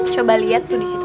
coba lihat tuh di situ